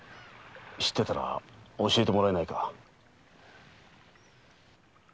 知っていたら教えてもらえないか。